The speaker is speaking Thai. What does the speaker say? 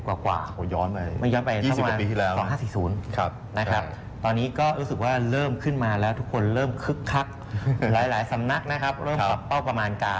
เพราะว่าจุดสูงสุดของตลาดหุ้นไทยมีอยู่ที่ประมาณ๑๗๘๐กว่า